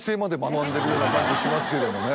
ような感じしますけどもね。